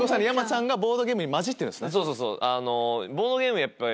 ボードゲームに交じってるんですね。